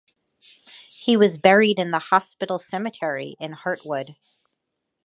He was buried in the hospital cemetery in Hartwood.